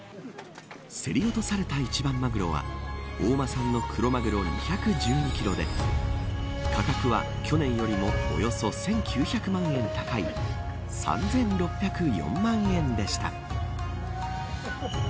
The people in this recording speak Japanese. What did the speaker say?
競り落とされた一番マグロは大間産のクロマグロ２１２キロで価格は去年よりもおよそ１９００万円高い３６０４万円でした。